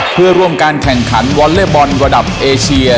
เพื่อร่วมการแข่งขันวอลเล็บบอลระดับเอเชีย